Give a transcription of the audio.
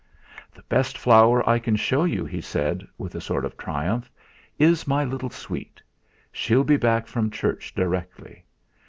"The best flower I can show you," he said, with a sort of triumph, "is my little sweet. She'll be back from Church directly.